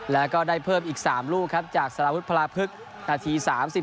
แล้วก็ได้เพิ่มอีก๓ลูกครับจากสารวุฒิพลาพึกนาที๓๔